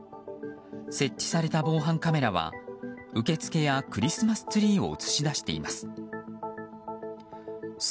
設置された防犯カメラは受付やクリスマスツリーを映し出しています。